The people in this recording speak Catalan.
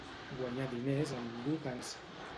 Guanyar diners a ningú cansa.